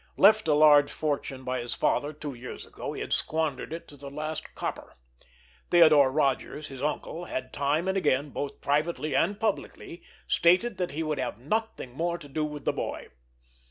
Left a large fortune by his father two years ago, he had squandered it to the last copper. Theodore Rodgers, his uncle, had time and again, both privately and publicly, stated that he would have nothing more to do with the boy.